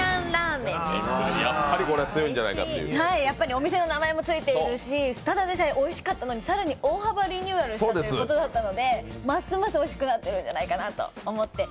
お店の名前もついているし、ただでさえ、おいしかったのに大幅リニューアルしたということでますますおいしくなってるんじゃないかなと思って。